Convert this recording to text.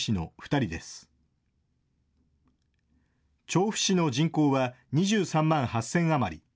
調布市の人口は２３万８０００余り。